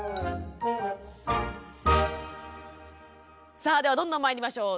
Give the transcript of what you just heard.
さあではどんどんまいりましょう。